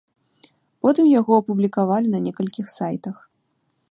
Потым яго апублікавалі на некалькіх сайтах.